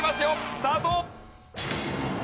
スタート。